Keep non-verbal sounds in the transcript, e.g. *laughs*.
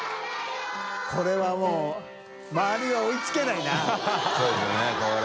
これはもう周りは追いつけないなハハハ *laughs* ）